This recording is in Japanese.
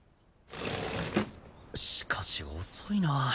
しかし遅いな